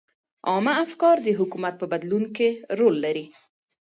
عامه افکار د حکومت په بدلون کې رول لري.